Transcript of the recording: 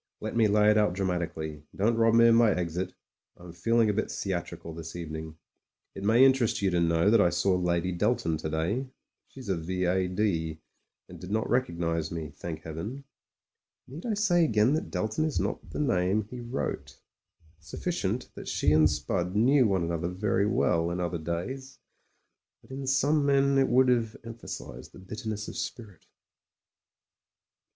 Let me lay it out dramatically ; don't rob me of my exit — I'm feeling a bit theatrical, this evening. It may interest you to know that I saw Lady Delton to day : she's a V.A.D., and did not rec ognise me, thank Heaven ! (Need I say again that Delton is not the name he wrote. Sufficient that she and Sptid knew one another 84 MEN, WOMEN AND GUNS very well, in other days. But in some men it would have emphasised the bitterness of spirit.)